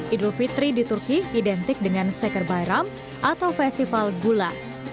idul fitri di turki identik dengan seker bayram atau festival gula